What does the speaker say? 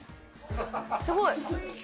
すごい。